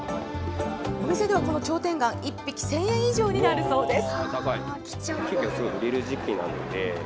お店ではこのチョウテンガン、１匹１０００円以上になるそうです。